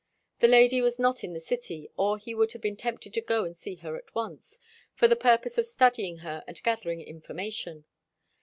The lady was not in the city, or he would have been tempted to go and see her at once, for the purpose of studying her and gathering information.